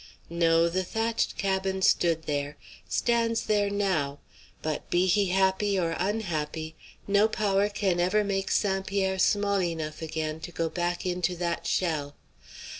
No; the thatched cabin stood there, stands there now; but, be he happy or unhappy, no power can ever make St. Pierre small enough again to go back into that shell.